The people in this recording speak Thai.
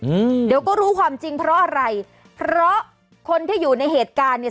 อืมเดี๋ยวก็รู้ความจริงเพราะอะไรเพราะคนที่อยู่ในเหตุการณ์เนี้ย